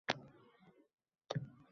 Drama to‘garagi o‘quvchilari bor.